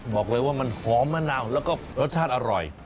บอกเลยว่ามันหอมมะนาวแล้วก็รสชาติอร่อย